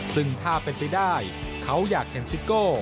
ซึ่งถ้าเป็นไปได้เขาอยากเห็นซิโก้